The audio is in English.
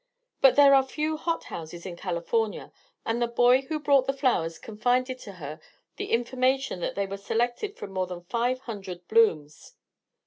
But there are few hothouses in California, and the boy who brought the flowers confided to her the information that they were selected from more than five hundred blooms.